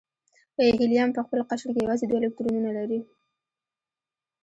هیلیم په خپل قشر کې یوازې دوه الکترونونه لري.